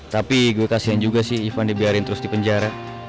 tapi gue kasihan juga sih ivan dibiarin terus di penjara